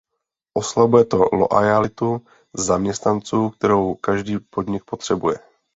Oslabuje to loajalitu zaměstnanců, kterou každý podnik potřebuje.